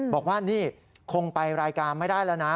บอกว่านี่คงไปรายการไม่ได้แล้วนะ